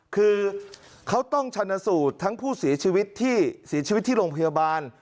คือเขาต้องชะนสูตรทั้งผู้ศีรชีวิตที่โรงพยาบาล